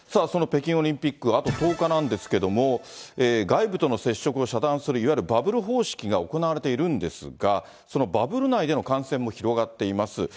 その北京オリンピック、あと１０日なんですけれども、外部との接触を遮断する、いわゆるバブル方式が行われているんですが、そのバブル内での感染も広がっています。